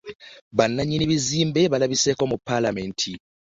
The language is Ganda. Bananyini bizimbe balabiseeko mu paalamenti.